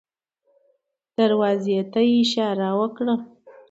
دروازې ته يې اشاره وکړه.